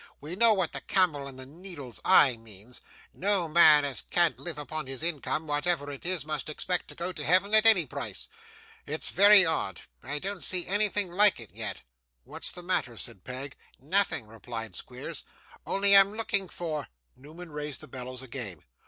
We know what the camel and the needle's eye means; no man as can't live upon his income, whatever it is, must expect to go to heaven at any price. It's very odd; I don't see anything like it yet.' 'What's the matter?' said Peg. 'Nothing,' replied Squeers, 'only I'm looking for ' Newman raised the bellows again.